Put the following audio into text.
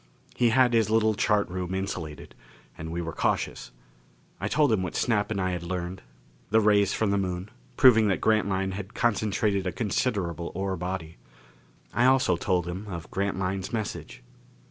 He had his little chart room insulated. And we were cautious. I told him what Snap and I had learned: the rays from the Moon, proving that Grantline had concentrated a considerable ore body. I also told him of Grantline's message.